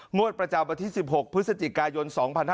งวดประจาบที่๑๖พฤศจิกายน๒๕๖๓